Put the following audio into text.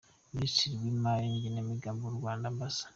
Minisitiri w’Imari n’Igenamigambi w’u Rwanda, Amb.